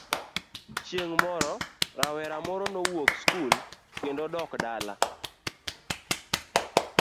Chieng' moro rawera moro nowuok skul kendo dok dala.